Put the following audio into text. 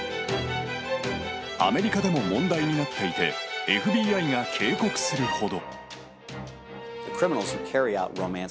アメリカでも問題になっていて、ＦＢＩが警告するほど。